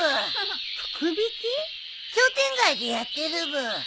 商店街でやってるブー。